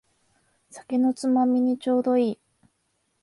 酒のつまみにちょうどいい